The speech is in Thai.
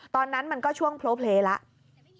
ตอนนั้นมันก็ช่วงโพลเพลย์แล้ว